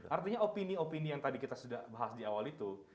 artinya opini opini yang tadi kita sudah bahas di awal itu